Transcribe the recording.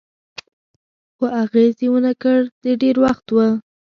خو اغېز یې و نه کړ، د ډېر وخت و.